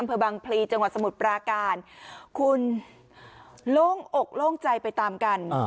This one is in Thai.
อำเภอบังพลีจังหวัดสมุทรปราการคุณโล่งอกโล่งใจไปตามกัน